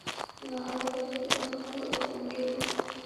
نو هغه به ټول عمر کوڼ او ګونګی و.